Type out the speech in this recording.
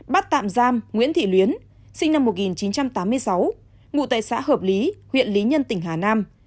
bắt tạm giam nguyễn thị luyến sinh năm một nghìn chín trăm tám mươi sáu ngụ tại xã hợp lý huyện lý nhân tỉnh hà nam